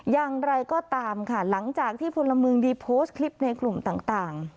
อย่างไรก็ตามค่ะหลังจากที่พลเมืองดีโพสต์คลิปในกลุ่มต่าง